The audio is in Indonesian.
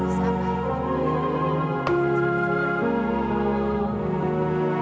semoga kita tidak nyasar seperti waktu itu